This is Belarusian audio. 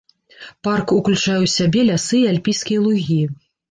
Парк уключае ў сябе лясы і альпійскія лугі.